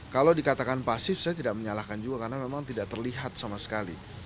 kalau dikatakan pasif saya tidak menyalahkan juga karena memang tidak terlihat sama sekali